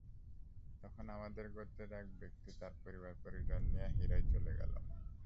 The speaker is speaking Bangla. তখন আমাদের গোত্রের এক ব্যক্তি তার পরিবার পরিজন নিয়ে হীরায় চলে গেল।